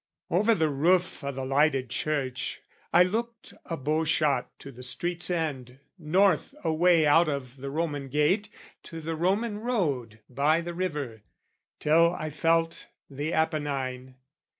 Over the roof o' the lighted church I looked A bowshot to the street's end, north away Out of the Roman gate to the Roman road By the river, till I felt the Apennine.